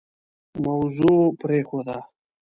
موضوع پرېښوده.